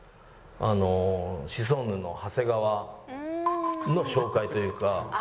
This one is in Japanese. あのシソンヌの長谷川の紹介というか。